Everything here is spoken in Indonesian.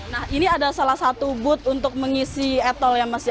nah ini adalah salah satu booth untuk mengisi e tol ya mas